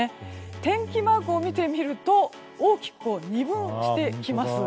天気マークを見てみると大きく二分してきます。